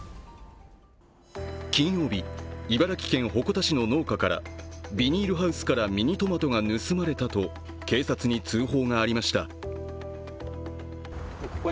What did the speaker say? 金曜日、茨城県鉾田市の農家からビニールハウスからミニトマトが盗まれたと警察に通報がありました。